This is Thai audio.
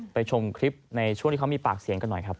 ชมคลิปในช่วงที่เขามีปากเสียงกันหน่อยครับ